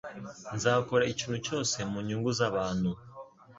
Nzakora ikintu cyose mu nyungu zabantu.